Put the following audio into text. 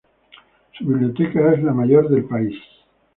Su biblioteca es la mayor del país.